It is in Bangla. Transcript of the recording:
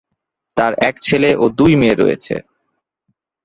তার এক ছেলে ও দুই মেয়ে রয়েছে।